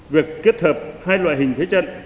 việc kết hợp hai loại hình thế trận